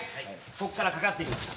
こっから掛かってきます。